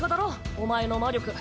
お前の魔力。